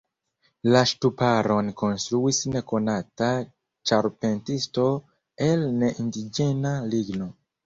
La ŝtuparon konstruis nekonata ĉarpentisto el ne-indiĝena ligno.